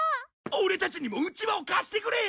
オレたちにもうちわを貸してくれ！